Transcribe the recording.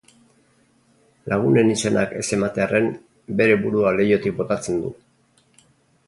Lagunen izenak ez ematearren bere burua leihotik botatzen du.